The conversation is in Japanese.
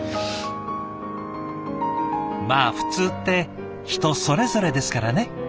まあ普通って人それぞれですからね。